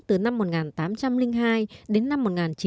từ năm một nghìn tám trăm linh hai đến năm một nghìn chín trăm bốn mươi năm